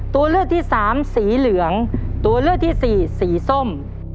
ตัวเลือกที่สามสีเหลืองตัวเลือกที่สี่สีส้ม